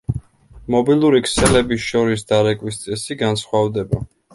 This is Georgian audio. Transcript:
მობილური ქსელების შორის დარეკვის წესი განსხვავდება.